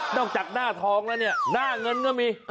นอกจากน่าทองณ่าเงินน่ามี